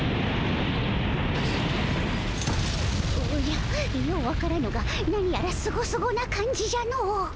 おじゃよう分からぬが何やらスゴスゴな感じじゃのう。